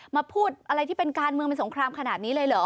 พูดอะไรที่เป็นการเมืองเป็นสงครามขนาดนี้เลยเหรอ